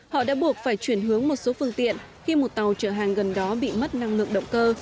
họ đã buộc phải chuyển hướng một số phương tiện khi một tàu chở hàng gần đó bị mất năng lượng động cơ